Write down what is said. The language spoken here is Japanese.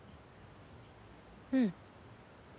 うん。